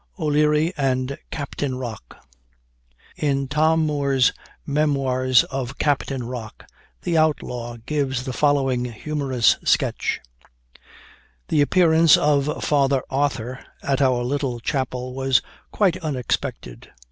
O'LEARY AND "CAPTAIN ROCK." In Tom Moore's "Memoirs of Captain Rock," the outlaw gives the following humorous sketch: "The appearance of Father Arthur at our little chapel was quite unexpected.